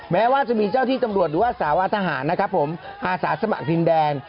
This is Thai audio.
แม้ว่าจะมีเจ้าที่ตำรวจหรือว่าสาวอาทหารอาศาสตร์สมัครทินแดน